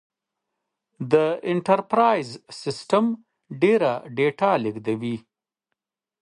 دا انټرپرایز سیسټم ډېره ډیټا لېږدوي.